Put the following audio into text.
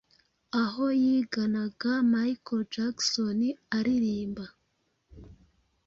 aho yiganaga Micheal Jackson aririmba